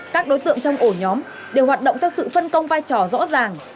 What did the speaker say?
các đối tượng trong ổ nhóm đều hoạt động theo sự phân công vai trò rõ ràng